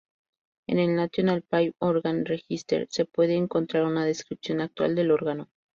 En el "National Pipe Organ Register" se puede encontrar una descripción actual del órgano.